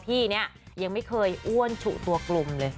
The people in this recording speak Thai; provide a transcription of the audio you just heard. ที่นี้ยังไม่เคยอ้วนฉุตัวกลมเลย